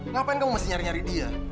ngapain kamu mesti nyari nyari dia